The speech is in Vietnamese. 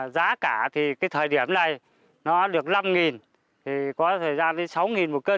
giá cả thì cái thời điểm này nó được năm thì có thời gian đến sáu một cân